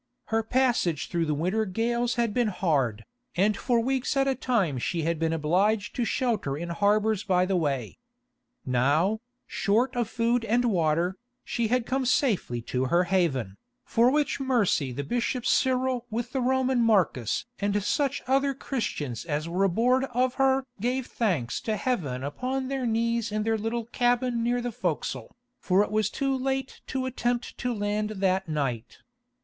Her passage through the winter gales had been hard, and for weeks at a time she had been obliged to shelter in harbours by the way. Now, short of food and water, she had come safely to her haven, for which mercy the bishop Cyril with the Roman Marcus and such other Christians as were aboard of her gave thanks to Heaven upon their knees in their little cabin near the forecastle, for it was too late to attempt to land that night.